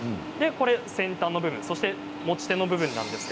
先端の部分と持ち手の部分です。